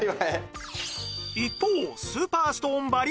一方スーパーストーンバリア包丁は